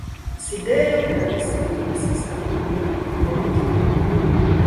Sidejo de la distrikto estas la urbo Borken.